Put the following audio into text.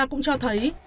cũng cho thấy